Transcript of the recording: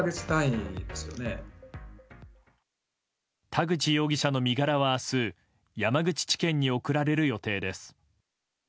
田口容疑者の身柄は明日山口地検に送られる予定です。